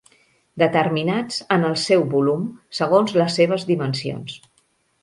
Determinats, en el seu volum, segons les seves dimensions.